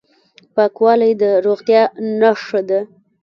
پاکوالی د روغتیا نښه ده.